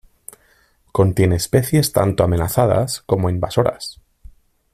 Contiene especies tanto amenazadas como invasoras.